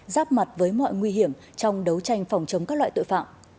giáp mặt với mọi nguy hiểm trong đấu tranh phòng chống các loại tội phạm